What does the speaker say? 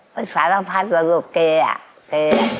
พรษาโตรภัทรมาดูเก๋อ่ะเก๋